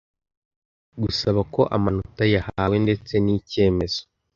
gusaba ko amanota yahawe ndetse n icyemezo